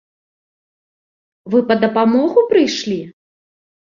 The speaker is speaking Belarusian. Вы па дапамогу прыйшлі?